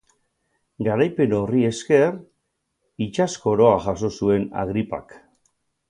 Garaipen horri esker, itsas-koroa jaso zuen Agripak.